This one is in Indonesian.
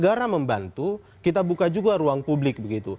negara membantu kita buka juga ruang publik begitu